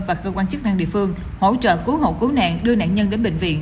và cơ quan chức năng địa phương hỗ trợ cứu hộ cứu nạn đưa nạn nhân đến bệnh viện